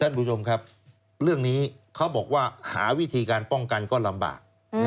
ท่านผู้ชมครับเรื่องนี้เขาบอกว่าหาวิธีการป้องกันก็ลำบาก